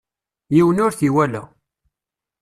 Yiwen ur t-iwala.